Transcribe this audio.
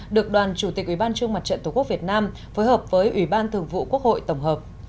được đoàn chủ tịch ubnd tqvn phối hợp với ubnd tqvn tổng hợp